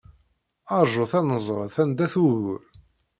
Rjut ad neẓret anda-t wugur.